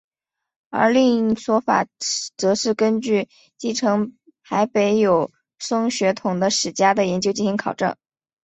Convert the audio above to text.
而另一说法则是根据继承海北友松血统的史家的研究进行考证。